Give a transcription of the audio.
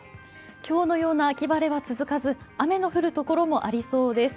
今日のような秋晴れは続かず、雨の降るところもありそうです。